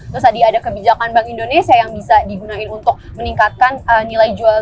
terus tadi ada kebijakan bank indonesia yang bisa digunakan untuk meningkatkan nilai jual